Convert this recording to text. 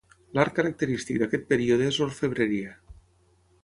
L'art característic d'aquest període és l'orfebreria.